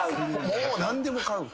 もう何でも買う。